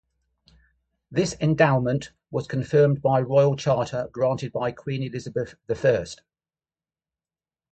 This endowment was confirmed by Royal Charter granted by Queen Elizabeth the First.